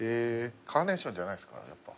カーネーションじゃないんですかやっぱ。